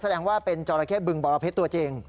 แสดงว่าเป็นจราเข้บึงบรเพชรตัวจริง